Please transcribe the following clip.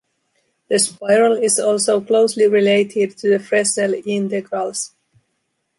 The spiral is also closely related to the Fresnel integrals.